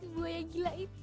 ah sebuah yang gila itu